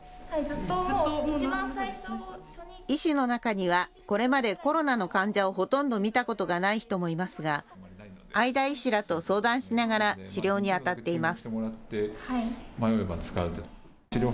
医師の中には、これまでコロナの患者をほとんど診たことがない人もいますが會田医師らと相談しながら治療にあたっています。